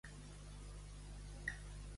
Salvar un error.